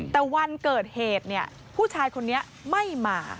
แต่วันเกิดเหตุผู้ชายคนนี้ไม่มา